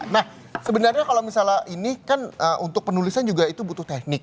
nah sebenarnya kalau misalnya ini kan untuk penulisan juga itu butuh teknik